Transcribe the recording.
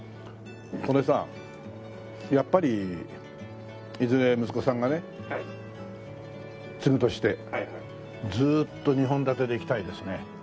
これさやっぱりいずれ息子さんがね継ぐとしてずっと２本立てでいきたいですね。